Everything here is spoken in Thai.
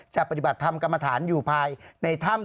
ปฏิบัติธรรมกรรมฐานอยู่ภายในถ้ำ